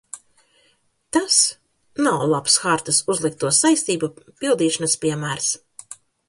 Tas nav labs hartas uzlikto saistību pildīšanas piemērs.